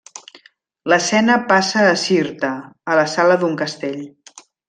L'escena passa a Cirta, a la sala d'un castell.